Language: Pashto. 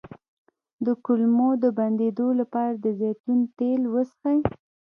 د کولمو د بندیدو لپاره د زیتون تېل وڅښئ